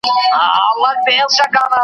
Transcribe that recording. محفل ته خاندې پخپله ژاړې .